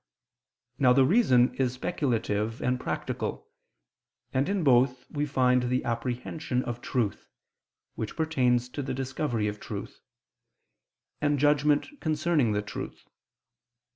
Now the reason is speculative and practical: and in both we find the apprehension of truth (which pertains to the discovery of truth), and judgment concerning the truth.